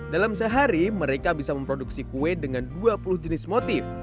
dalam sehari mereka bisa memproduksi kue dengan dua puluh jenis motif